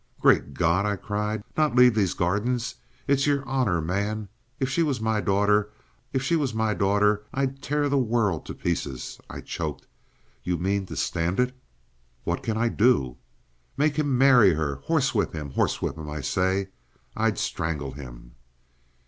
"Great God!" I cried, "not leave these gardens! It's your Honor, man! If she was my daughter—if she was my daughter—I'd tear the world to pieces!" .. I choked. "You mean to stand it?" "What can I do?" "Make him marry her! Horsewhip him! Horsewhip him, I say!—I'd strangle him!"